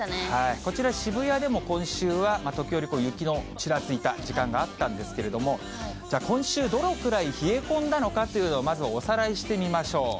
こちら、渋谷でも今週は、時折、雪のちらついた時間があったんですけれども、今週どのくらい冷え込んだのかというのを、まずはおさらいしてみましょう。